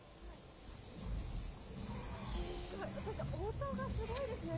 音がすごいですね。